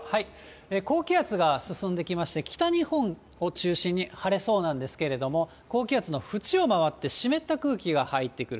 高気圧が進んできまして、北日本を中心に晴れそうなんですけれども、高気圧の縁を回って湿った空気が入ってくる。